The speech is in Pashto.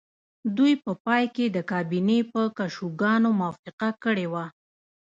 دوی په پای کې د کابینې په کشوګانو موافقه کړې وه